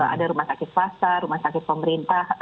ada rumah sakit swasta rumah sakit pemerintah